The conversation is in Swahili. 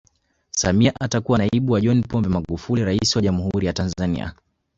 Samia atakuwa naibu wa John Pombe Magufuli rais wa Jamhuri ya Tanzania